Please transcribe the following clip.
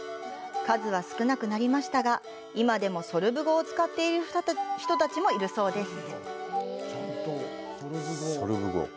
数は少なくなりましたが今でもソルブ語を使っている人たちもいるそうです。